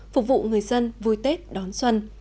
phục vụ người dân vui tết đón xuân